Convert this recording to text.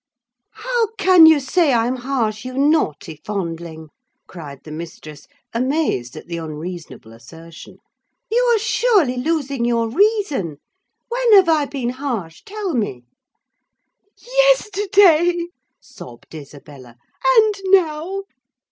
"How can you say I am harsh, you naughty fondling?" cried the mistress, amazed at the unreasonable assertion. "You are surely losing your reason. When have I been harsh, tell me?" "Yesterday," sobbed Isabella, "and now!"